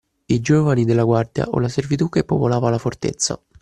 I giovani della guardia o la servitù che popolava la fortezza.